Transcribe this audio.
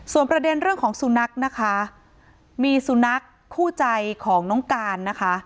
ส่วนประเด็นเรื่องของสุนัขนะคะมีสุนัขคู่ใจของน้องการนะคะ